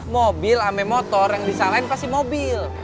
mobil ame motor yang disalahin pasti mobil